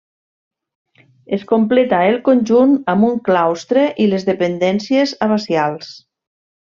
Es completa el conjunt amb un claustre i les dependències abacials.